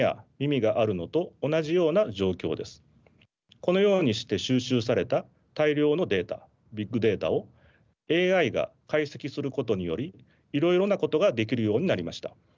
このようにして収集された大量のデータビッグデータをＡＩが解析することによりいろいろなことができるようになりました。